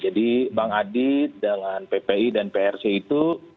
jadi bang adi dengan ppi dan prc itu